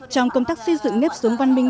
trong công tác xây dựng nếp xuống văn minh